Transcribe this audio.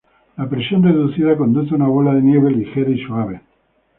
La presión reducida conduce a una bola de nieve ligera y suave.